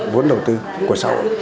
và vốn đầu tư của xã hội